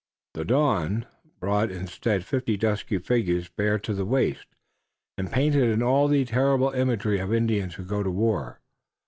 The dawn brought instead fifty dusky figures bare to the waist and painted in all the terrible imagery of Indians who go to war.